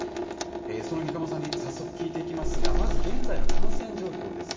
その三鴨さんに早速聞いていきますが、まず現在の感染状況ですね。